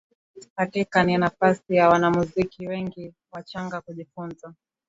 Hakika ni nafasi ya wanamuziki wengi wachanga kujifunza